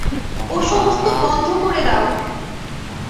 ও-সমস্ত বন্ধ করে দাও।